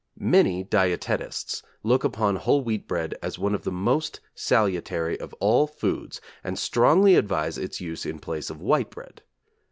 Many dietetists look upon whole wheat bread as one of the most salutary of all foods and strongly advise its use in place of white bread.